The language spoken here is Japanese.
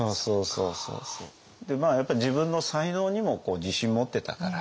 やっぱり自分の才能にも自信持ってたから。